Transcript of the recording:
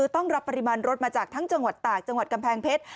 ต้องรับปริมาณรถมาจากทั้งจังหวัดตากจังหวัดกำแพงเพชร